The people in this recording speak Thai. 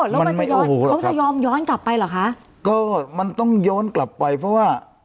แล้วมันจะย้อนเขาจะยอมย้อนกลับไปเหรอคะก็มันต้องย้อนกลับไปเพราะว่า